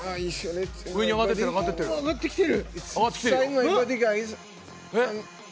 上に上がってきてる。